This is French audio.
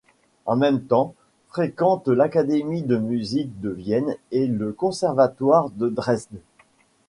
En même temps, fréquente l'Académie de musique de Vienne et le Conservatoire de Dresde.